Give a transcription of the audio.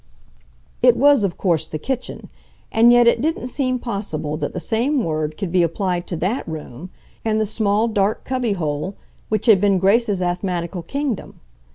It was, of course, the kitchen, and yet it didn't seem possible that the same word could be applied to that room and the small, dark cubby hole which had been Grace's asthmatical kingdom.